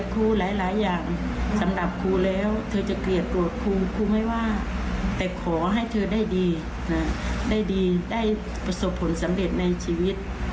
แต่ขอให้เธอได้ดีได้ดีได้ประสบผลสำเร็จในชีวิต